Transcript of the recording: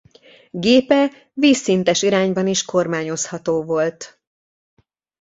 Gépe vízszintes irányban is kormányozható volt.